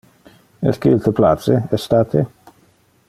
Esque il te place estate?